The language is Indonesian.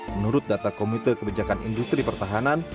menurut data komite kebijakan industri pertahanan